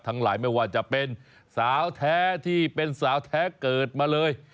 หลายไม่ว่าจะเป็นสาวแท้ที่เป็นสาวแท้เกิดมาเลย